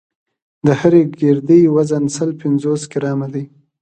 د هرې ګردې وزن سل پنځوس ګرامه دی.